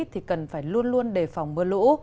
thì cần phải luôn luôn đề phòng mưa lũ